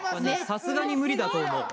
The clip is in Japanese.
さすがに無理だと思う。